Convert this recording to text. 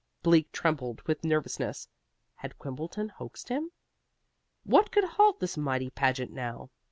Bleak trembled with nervousness. Had Quimbleton hoaxed him? What could halt this mighty pageant now?